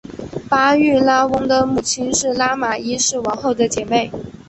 巴育拉翁的母亲是拉玛一世王后的姐妹。